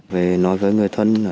về nói với người thân